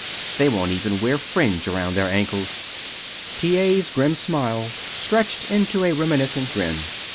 They won't even wear fringe around their ankles." T. A.'s grim smile stretched into a reminiscent grin.